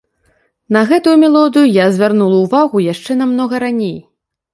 На гэтую мелодыю я звярнула ўвагу яшчэ намнога раней.